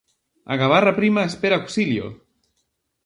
A gabarra prima espera auxilio.